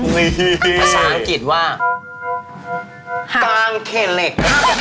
มีศาล์อังกฤษว่ากางเข็นเหล็ก